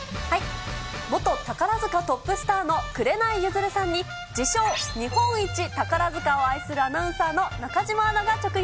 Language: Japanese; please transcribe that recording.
元宝塚トップスターの紅ゆずるさんに、自称、日本一宝塚を愛する中島アナが直撃。